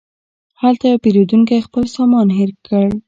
هلته یو پیرودونکی خپل سامان هېر کړ.